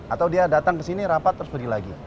atau dia datang ke sini rapat terus pergi lagi